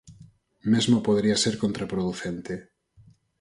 Mesmo podería ser contraproducente.